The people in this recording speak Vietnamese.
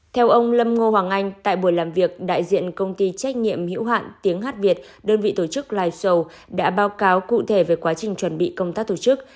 theo ông lâm ngô hoàng anh tại buổi làm việc đại diện công ty trách nhiệm hữu hạn tiếng hát việt đơn vị tổ chức live show đã báo cáo cụ thể về quá trình chuẩn bị công tác tổ chức